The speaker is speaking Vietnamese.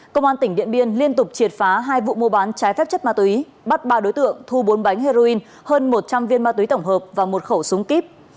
công an tỉnh điện biên liên tục triệt phá hai vụ mua bán trái phép chất ma túy bắt ba đối tượng thu bốn bánh heroin hơn một trăm linh viên ma túy tổng hợp và một khẩu súng kíp